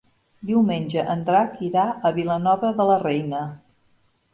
Diumenge en Drac irà a Vilanova de la Reina.